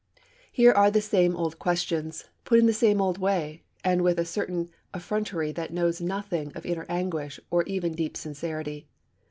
Here are the same old questions, put in the same old way, and with a certain effrontery that knows nothing of inner anguish or even deep sincerity.